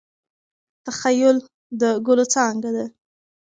تخیل د ګلو څانګه ده.